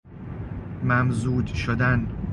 ممزوج شدن